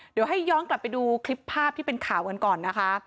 เดี๋ยวให้ย้อนกลับไปดูคลิปภาพที่เป็นข่าวกันก่อนนะคะ